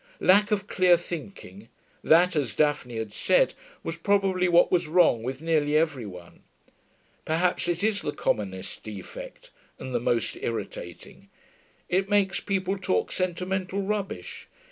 Lack of clear thinking that, as Daphne had said, was probably what was wrong with nearly every one. Perhaps it is the commonest defect, and the most irritating. It makes people talk sentimental rubbish.